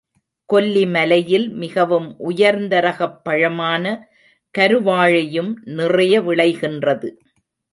கொல்லி மலையில் மிகவும் உயர்ந்த ரகப் பழமான கருவாழை யும் நிறைய விளைகின்றது.